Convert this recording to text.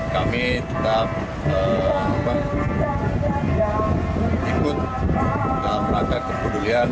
kami tetap ikut dalam rangka kepedulian